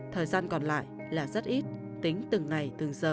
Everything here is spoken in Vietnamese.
thời gian còn lại là rất ít tính từng ngày từng giờ